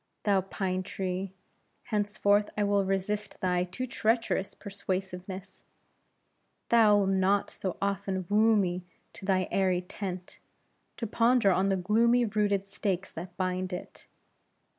Thou pine tree! henceforth I will resist thy too treacherous persuasiveness. Thou'lt not so often woo me to thy airy tent, to ponder on the gloomy rooted stakes that bind it.